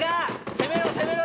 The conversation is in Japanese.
攻めろ攻めろ！